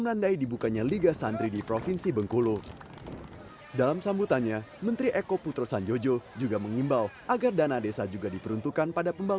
karena kita tahu tidak semua kepala desa tahu bagaimana membuat perencanaan